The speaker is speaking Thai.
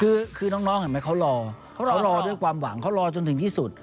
เนี่ยคือน้องเห็นมั้ยเขาลอกำลังเว้นวางเขาลองจนถึงที่สุด